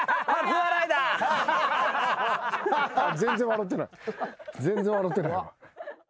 全然笑てない。